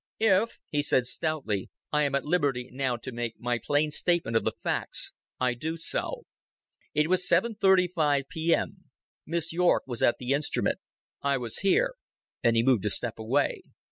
"If," he said stoutly, "I am at liberty now to make my plain statement of the facts, I do so. It was seven thirty five P.M. Miss Yorke was at the instrument. I was here" and he moved a step away.